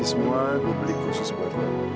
ini semua gue beli khusus baru